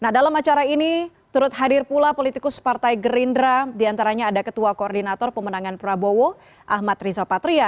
nah dalam acara ini turut hadir pula politikus partai gerindra diantaranya ada ketua koordinator pemenangan prabowo ahmad riza patria